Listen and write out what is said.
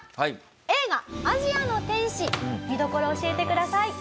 映画『アジアの天使』見どころ教えてください。